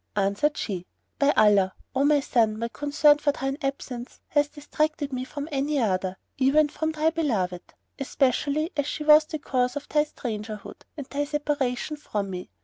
Answered she, "By Allah, O my son, my concern for thine absence hath distracted me from any other, even from thy beloved; especially as she was the cause of thy strangerhood and thy separation from me."